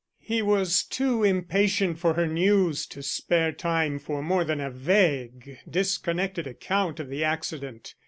He was too impatient for her news to spare time for more than a vague disconnected account of the accident.